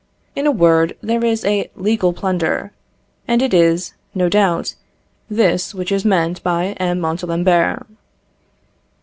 In a word, there is a legal plunder, and it is, no doubt, this which is meant by M. Montalembert.